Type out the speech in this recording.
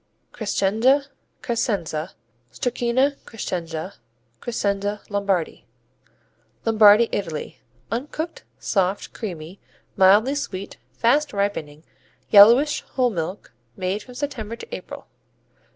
Crescenza, Carsenza, Stracchino Crescenza, Crescenza Lombardi Lombardy, Italy Uncooked; soft; creamy; mildly sweet; fast ripening; yellowish; whole milk. Made from September to April.